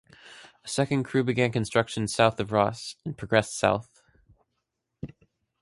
A second crew began construction south of Ross and progressed south.